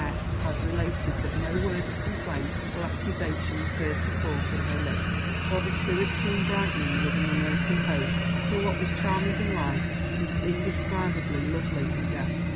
S. has related that no word of complaint or accusation was heard to fall from her lips, while the spirit seemed brightening with an unearthly hope, till what was charming in life was indescribably lovely in death.